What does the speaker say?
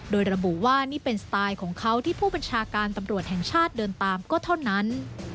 โดยระบุว่านี่เป็นสไตล์ของเขาที่ผู้บัญชาการตำรวจแห่งชาติเดินตามก็เท่านั้น